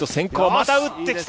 また打ってきた。